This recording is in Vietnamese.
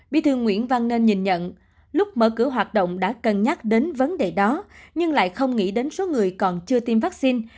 bí thư nguyễn văn nên nhìn nhận lúc mở cửa hoạt động đã cân nhắc đến vấn đề đó nhưng lại không nghĩ đến số người còn chưa tiêm vaccine